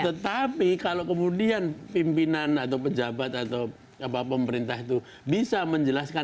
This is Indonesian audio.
tetapi kalau kemudian pimpinan atau pejabat atau pemerintah itu bisa menjelaskan